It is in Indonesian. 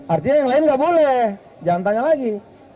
artinya yang lain nggak boleh jangan tanya lagi